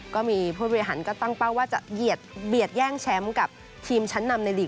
ก็มีผู้บริหารก็ตั้งเป้าว่าจะเหยียดแย่งแชมป์กับทีมชั้นนำในลีก